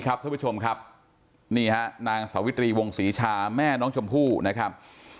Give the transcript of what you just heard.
ท่านผู้ชมครับนี่ฮะนางสาวิตรีวงศรีชาแม่น้องชมพู่นะครับ